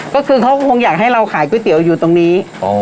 ก็คือเขาคงอยากให้เราขายก๋วยเตี๋ยวอยู่ตรงนี้